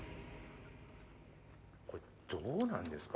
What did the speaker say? これどうなんですか？